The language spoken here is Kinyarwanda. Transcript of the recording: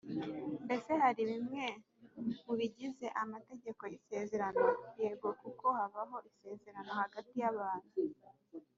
mbese hari bimwe mu bigize Amategeko y isezerano yego kuko habaho isezerano hagati yabantu